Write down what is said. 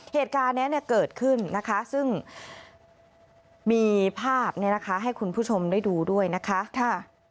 เหตุการณ์นี้เกิดขึ้นนะคะซึ่งมีภาพให้คุณผู้ชมได้ดูด้วยนะคะ